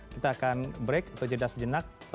kita akan break atau jeda sejenak